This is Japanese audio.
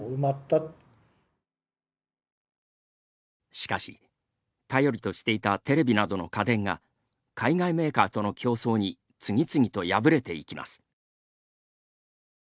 しかし、頼りとしていたテレビなどの家電が海外メーカーとの競争に次々と敗れていきます。